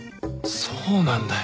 そうなんだよ。